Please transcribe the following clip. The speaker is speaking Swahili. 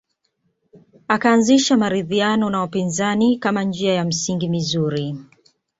Akaanzisha maridhiano na wapinzani kama njia ya msingi mizuri